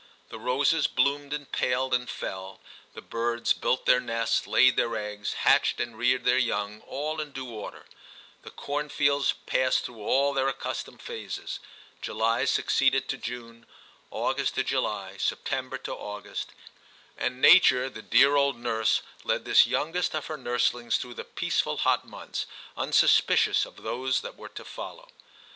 The roses bloomed and paled and fell ; the birds built their nests, laid their eggs, hatched and reared their young, all in due order ; the cornfields passed through all their accustomed phases ; July succeeded to June, August to July, September to August, and * Nature the dear old nurse * led this youngest of her nurslings through the peaceful hot months, unsuspicious of those that were to follow.